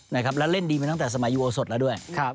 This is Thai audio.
แล้วเล่นดีมาตั้งแต่สมัยยูโอสดแล้วด้วย